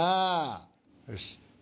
よし。